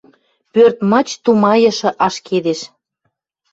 Пӧрт мыч тумайышы ашкедеш